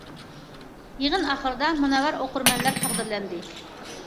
يىغىن ئاخىردا،« مۇنەۋۋەر ئوقۇرمەنلەر» تەقدىرلەندى.